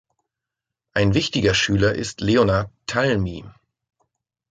Ein wichtiger Schüler ist Leonard Talmy.